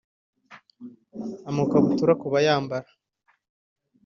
amakabutura kubayambara